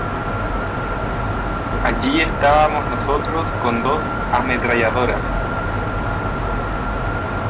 Allí estábamos nosotros con dos ametralladoras.